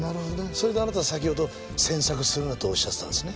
それであなたは先ほど詮索するなとおっしゃってたんですね。